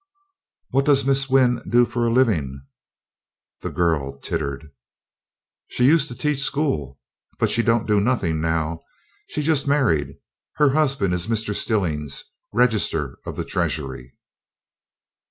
"What does Miss Wynn do for a living?" The girl tittered. "She used to teach school but she don't do nothing now. She's just married; her husband is Mr. Stillings, Register of the Treasury."